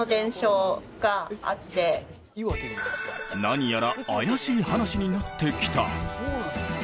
何やら怪しい話になってきた。